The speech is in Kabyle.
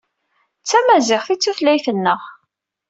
D tamaziɣt ay d tutlayt-nneɣ.